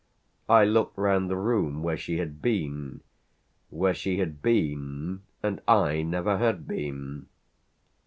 I looked round the room where she had been where she had been and I never had been.